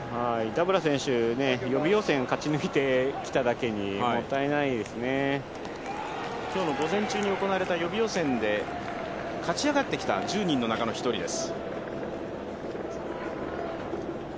ダブラ選手、予備予選を勝ち抜いてきただけにもったいないで今日の午前中に行われた予備予選で勝ち上がってきた１０人の中の１人です。